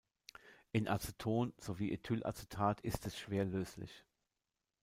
In Aceton sowie Ethylacetat ist es schwer löslich.